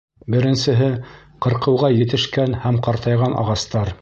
Беренсеһе — ҡырҡыуға етешкән һәм ҡартайған ағастар.